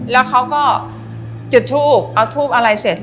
แล้วเขาก็จุดทูบเอาทูบอะไรเสร็จ